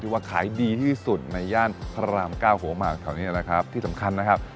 ว่าขายดีที่สุดในย่านพระรามเก้าหัวหมากแถวนี้นะครับที่สำคัญนะครับ